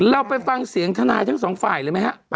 เราไปฟังเสียงธนาจักษ์สองฝ่ายเลยมั้ยฮะ